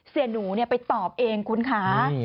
เสียหนูไปตอบเองคุณคะ